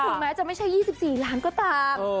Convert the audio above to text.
แม้จะไม่ใช่๒๔ล้านก็ตาม